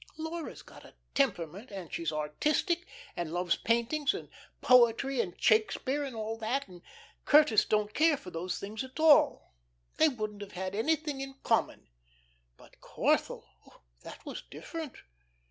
Laura's got a temperament, and she's artistic, and loves paintings, and poetry, and Shakespeare, and all that, and Curtis don't care for those things at all. They wouldn't have had anything in common. But Corthell that was different.